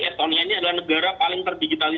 estonia ini adalah negara paling terdigitalisasi